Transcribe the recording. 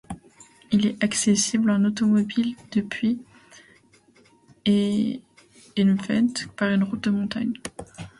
Il est accessible en automobile depuis Enveitg par une route de montagne.